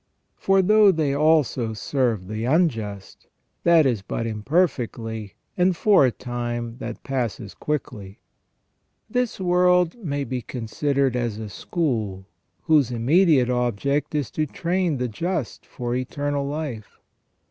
For though they also serve the unjust, that is but imper fectly, and for a time that passes quickly. This world may be considered as a school whose immediate object is to train the just for eternal life.